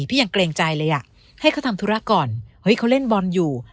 ที่ยังเกรงใจเลยน่ะให้เขาทำทุรกอ่ะเขาเล่นบอลอยู่